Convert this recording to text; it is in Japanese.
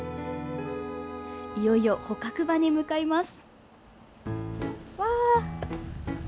いよいよ捕獲場に向かいます。